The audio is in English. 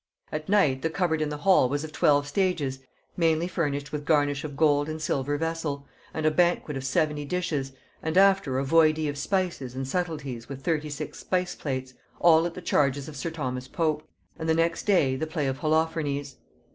At night the cupboard in the hall was of twelve stages mainly furnished with garnish of gold and silver vessul, and a banquet of seventy dishes, and after a voidee of spices and suttleties with thirty six spice plates; all at the charges of sir Thomas Pope. And the next day the play of Holophernes.